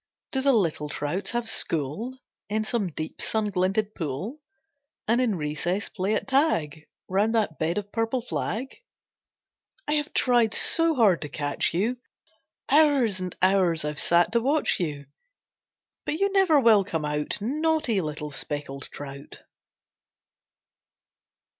Do the little trouts have school In some deep sun glinted pool, And in recess play at tag Round that bed of purple flag? I have tried so hard to catch you, Hours and hours I've sat to watch you; But you never will come out, Naughty little speckled trout!